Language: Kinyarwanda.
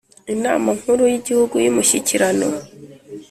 Inama nkuru yigihugu yumushyikirano